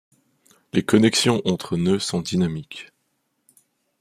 Les connexions entre nœuds sont dynamiques.